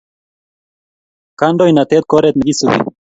Kandoinatet ko oret ne kisubi